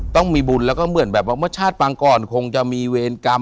ต้องมีบุญแล้วก็เหมือนแบบว่าเมื่อชาติปังก่อนคงจะมีเวรกรรม